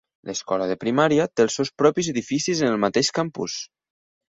L'escola de primària té els seus propis edificis en el mateix campus.